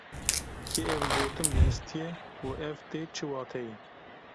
Kê ev gotin bihîstiye û ev tê çi wateyê?